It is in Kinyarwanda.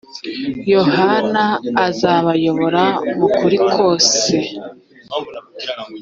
yohani azabayobora mu kuri kose